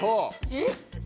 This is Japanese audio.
えっ？